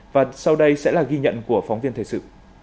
và sau đây sẽ là ghi nhận của phóng viên thời sự